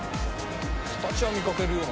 形は見かけるよな。